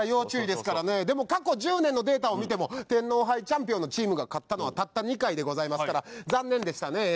でも過去１０年のデータを見ても天皇杯チャンピオンのチームが勝ったのはたった２回でございますから残念でしたね。